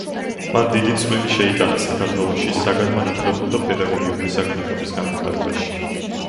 მან დიდი წვლილი შეიტანა საქართველოში საგანმანათლებლო და პედაგოგიური საქმიანობის განვითარებაში.